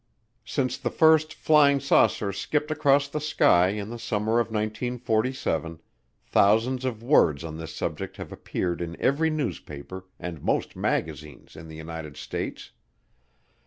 Since the first flying saucer skipped across the sky in the summer of 1947, thousands of words on this subject have appeared in every newspaper and most magazines in the United States.